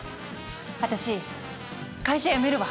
私会社辞めるわ。